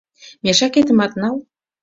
Мешакетымат нал.